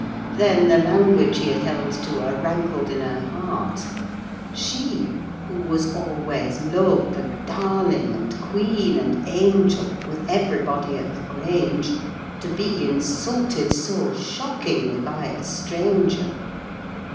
Then the language he had held to her rankled in her heart; she who was always "love," and "darling," and "queen," and "angel," with everybody at the Grange, to be insulted so shockingly by a stranger!